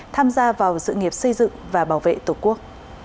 tham gia vào sự nghiệp xây dựng và bảo vệ tổ quốc